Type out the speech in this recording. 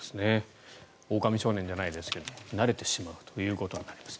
おおかみ少年じゃないですが慣れてしまうということになります。